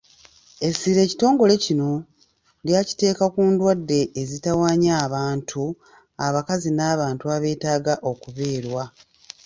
Essira ekitongole kino lyaliteeka ku ndwadde ezitawaanya abantu, abakazi n’abantu abeetaaga okubeerwa.